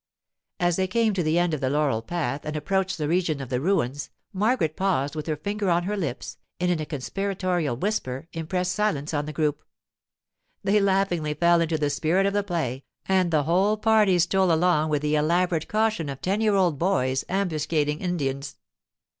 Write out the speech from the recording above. As they came to the end of the laurel path and approached the region of the ruins, Margaret paused with her finger on her lips and in a conspiratorial whisper impressed silence on the group. They laughingly fell into the spirit of the play, and the whole party stole along with the elaborate caution of ten year old boys ambuscading Indians.